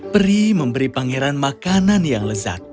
peri memberi pangeran makanan yang lezat